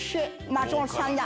松本さんだ。